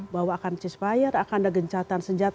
bahwa akan ceasefire akan ada gencatan senjata